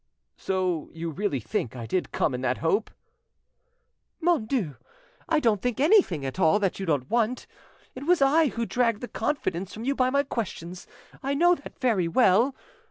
"So you really think I did come in that hope?" "Mon Dieu! I don't think anything at all that you don't want. It was I who dragged the confidence from you by my questions, I know that very well.